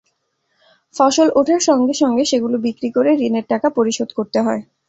ফসল ওঠার সঙ্গে সঙ্গে সেগুলো বিক্রি করে ঋণের টাকা পরিশোধ করতে হয়।